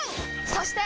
そして！